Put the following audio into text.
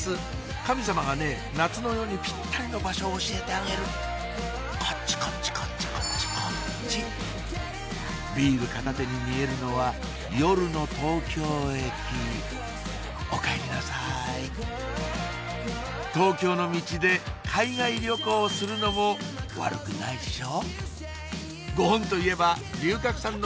カミ様がね夏の夜にピッタリの場所教えてあげるこっちこっちこっちビール片手に見えるのは夜の東京駅おかえりなさい東京のミチで海外旅行をするのも悪くないっしょ？